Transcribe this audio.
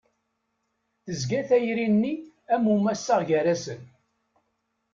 Tezga tayri-nni am umassaɣ gar-asen.